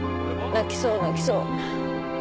泣きそう泣きそう。